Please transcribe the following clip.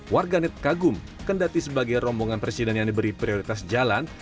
warganet kagum kendati sebagai rombongan presiden yang diberi prioritas jalan